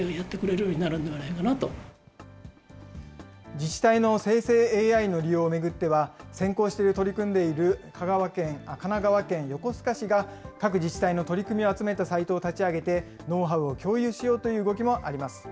自治体の生成ＡＩの利用を巡っては、先行して取り組んでいる神奈川県横須賀市が各自治体の取り組みを集めたサイトを立ち上げて、ノウハウを共有しようという動きもあります。